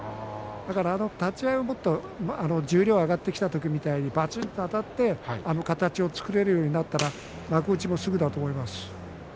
だから、あの立ち合いもっと十両に上がってきた時みたいにばちっとあたって形を作れるようになったらば幕内もすぐだと思います。